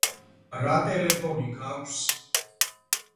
რა ტელეფონი გაქვს ?